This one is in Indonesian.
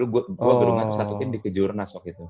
gue gerungan satu tim di kejurnas waktu itu